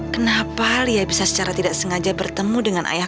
kenapa lia bisa secara tidak sengaja bertemu dengan ayah